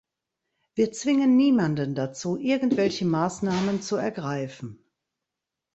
Wir zwingen niemanden dazu, irgendwelche Maßnahmen zu ergreifen.